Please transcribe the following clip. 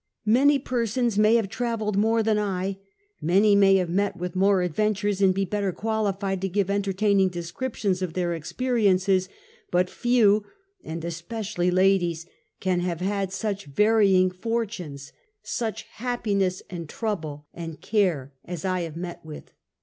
Many persons may have traveled more than I, many may have met with more adventures, and be better quali fied to give entertaining descriptions of their experiences, but few (and especially ladies) can have had such varying for tunes — such happiness, and trouble, and SKETCHES OF TRAVEL care — as I have met with.